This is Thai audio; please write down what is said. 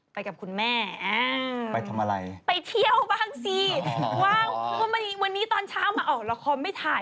ไปกับคุณแม่ไปทำอะไรไปเที่ยวบ้างสิว้าววันนี้ตอนเช้ามาออกละครไม่ถ่าย